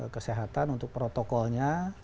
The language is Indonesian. kesehatan untuk protokolnya